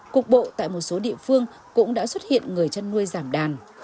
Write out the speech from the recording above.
cục bộ tại một số địa phương cũng đã xuất hiện người chăn nuôi giảm đàn